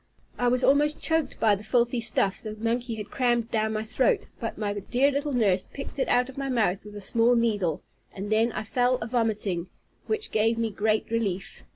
I was almost choked with the filthy stuff the monkey had crammed down my throat; but my dear little nurse picked it out of my mouth with a small needle, and then I fell a vomiting, which gave me great relief.